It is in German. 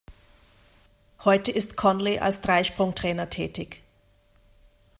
Heute ist Conley als Dreisprung-Trainer tätig.